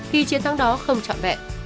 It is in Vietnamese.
thì chiến thắng đó không chọn vẹn